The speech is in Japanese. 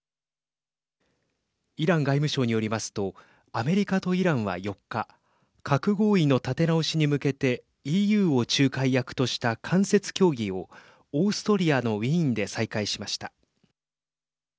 イラン外務省によりますとアメリカとイランは４日核合意の立て直しに向けてＥＵを仲介役とした間接協議をオーストリアのウィーンで再開しました。